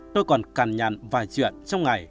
tôi còn cản nhận vài chuyện trong ngày